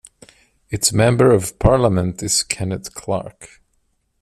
Its Member of Parliament is Kenneth Clarke.